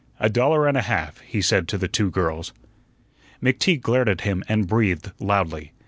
"A dollar and a half," he said to the two girls. McTeague glared at him and breathed loudly.